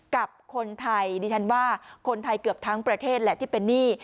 กับคนไทยดิฉันว่าคนไทยเกือบทั้งประเทศแหละที่เป็นหนี้